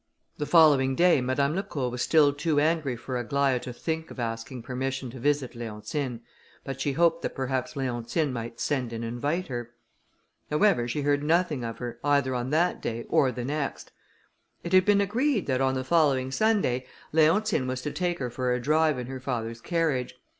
The following day, Madame Lacour was still too angry for Aglaïa to think of asking permission to visit Leontine, but she hoped that perhaps Leontine might send and invite her. However, she heard nothing of her, either on that day or the next. It had been agreed that, on the following Sunday, Leontine was to take her for a drive in her father's carriage.